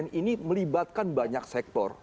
bumn ini melibatkan banyak sektor